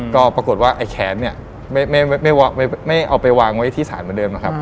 ก็ปรากฏว่าไอ้แขนเนี่ยไม่เอาไปวางไว้ที่ศาลเหมือนเดิมนะครับ